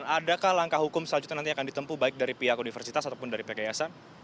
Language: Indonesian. adakah langkah hukum selanjutnya nanti akan ditempu baik dari pihak universitas ataupun dari pihak yayasan